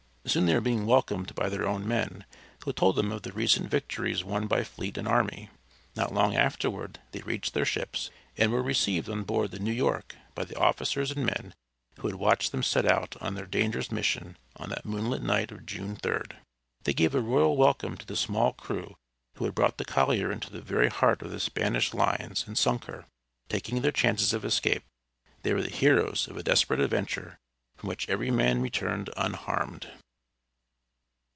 Soon they were being welcomed by their own men, who told them of the recent victories won by fleet and army. Not long afterward they reached their ships, and were received on board the New York by the officers and men who had watched them set out on their dangerous mission on that moonlight night of June 3d. They gave a royal welcome to the small crew who had brought the collier into the very heart of the Spanish lines and sunk her, taking their chances of escape. They were the heroes of a desperate adventure, from which every man returned unharmed.